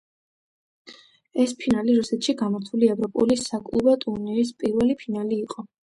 ეს ფინალი რუსეთში გამართული ევროპული საკლუბო ტურნირის პირველი ფინალი იყო.